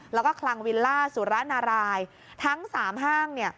แล้วก็คลังวิลล่าสุรนารายทั้ง๓ห้าง